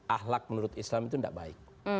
ahlak menurut islam itu tidak baik